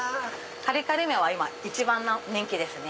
カリカリ梅は今一番人気ですね。